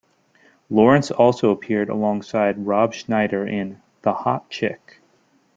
Lawrence also appeared alongside Rob Schneider in "The Hot Chick".